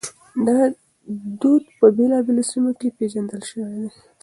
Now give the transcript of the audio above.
دا دود په بېلابېلو سيمو کې پېژندل شوی دی.